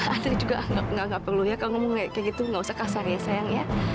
andre juga enggak enggak perlu ya kau ngomong kayak gitu enggak usah kasar ya sayang ya